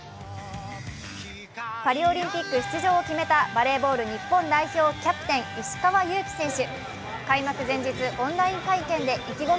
パリオリンピック出場を決めたバレーボール日本代表キャプテン・石川祐希選手。